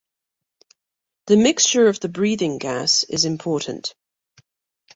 The mixture of the breathing gas is important.